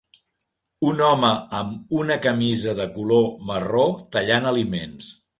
Un home amb una camisa de color marró tallant aliments.